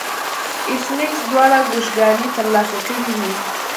ایس میکس دواړه کشوګانې ترلاسه کړې وې